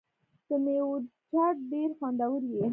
د میوو چاټ ډیر خوندور وي.